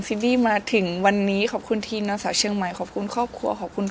ซินนี่ค่ะตอนช่วงที่เราประกวดนังสาวเชียงใหม่นี่คือเราได้ตำแหน่ง